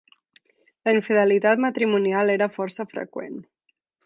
La infidelitat matrimonial era força freqüent.